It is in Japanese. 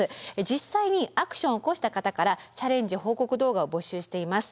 実際にアクションを起こした方から「チャレンジ報告動画」を募集しています。